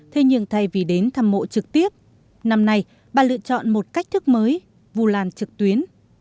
thế nhưng thay vì đến thăm mộ trực tiếp năm nay bà lựa chọn một cách thức mới vu lan trực tuyến